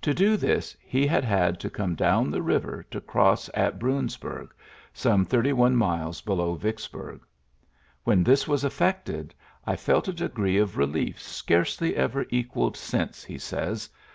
To do this^ he had had to come down the river to cross at Bruins bnrg, some thirty one miles below Vicks burg. "When this was effected, I felt a degree of relief scarcely ever equalled since," he says.